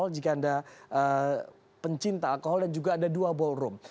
jika anda pencinta alkohol dan juga ada dua ballroom